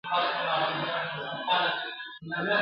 د چنار د وني سیوري ته تکیه سو ..